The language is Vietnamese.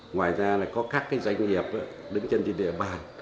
ngoài ra có các doanh nghiệp đứng chân trên địa bàn